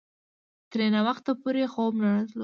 ترې ناوخته پورې خوب نه راتلو.